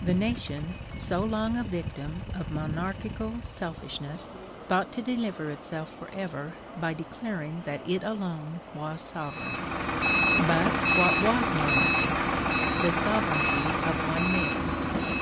The nation, so long a victim of monarchical selfishness, thought to deliver itself for ever by declaring that it alone was sovereign. But what was monarchy? The sovereignty of one man.